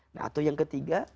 nah atau yang ketiga